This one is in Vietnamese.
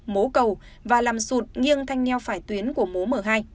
mố cầu và làm sụt nghiêng thanh nheo phải tuyến của mố m hai